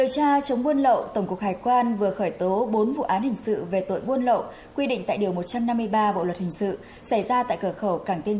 các bạn hãy đăng ký kênh để ủng hộ kênh của chúng mình nhé